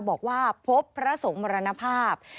บอกว่าพบพระสงฆ์มรณภาพ